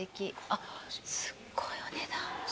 あっすごいお値段。